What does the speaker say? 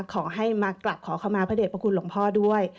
ขอให้มากลับขอเข้ามาพระเด็จพระคุณหลวงพ่อด้วย